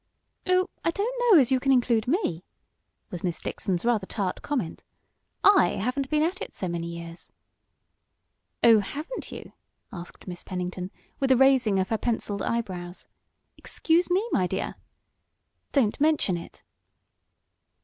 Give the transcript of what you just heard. "Oh, I don't know as you can include me," was Miss Dixon's rather tart comment. "I haven't been at it so many years." "Oh, haven't you?" asked Miss Pennington, with a raising of her penciled eyebrows. "Excuse me, my dear!" "Don't mention it!"